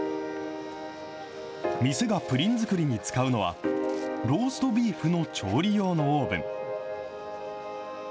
店がプリン作りに使うのは、ローストビーフの調理用のオーブン。